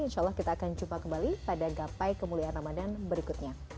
insya allah kita akan jumpa kembali pada gapai kemuliaan ramadan berikutnya